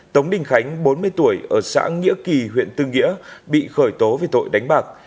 tống đình khánh bốn mươi tuổi ở xã nghĩa kỳ huyện tư nghĩa bị khởi tố về tội đánh bạc